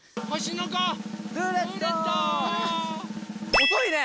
おそいね！